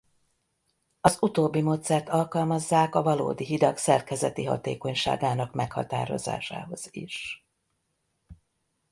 Az utóbbi módszert alkalmazzák a valódi hidak szerkezeti hatékonyságának meghatározásához is.